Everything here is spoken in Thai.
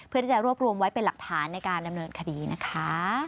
เพื่อที่จะรวบรวมไว้เป็นหลักฐานในการดำเนินคดีนะคะ